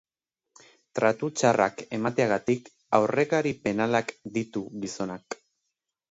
Tratu txarrak emateagatik aurrekari penalak ditu gizonak.